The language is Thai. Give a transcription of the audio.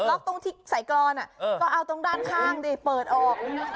ตรงที่ใส่กรอนก็เอาตรงด้านข้างดิเปิดออก